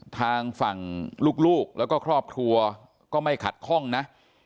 ทางฝั่งลูกแล้วก็ครอบครัวก็ไม่ขัดข้องนะ